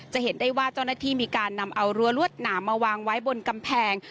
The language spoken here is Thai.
จะเห็นได้ว่าเจ้าหน้าที่มีการนำเอารั้วลวดหนามมาวางไว้บนกำแพง